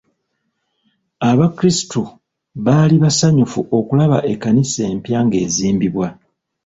Abakrisitu baali basanyufu okulaba ekkanisa empya ng'ezimbibwa.